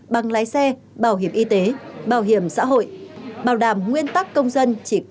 băng lái xe bảo hiểm y tế bảo hiểm xã hội bảo đảm nguyên tắc công dân